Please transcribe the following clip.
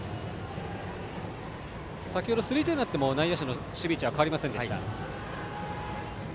先程、スリーツーになっても内野手の守備位置は変わりませんでした。